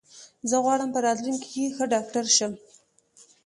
زه غواړم په راتلونکې کې ښه ډاکټر شم.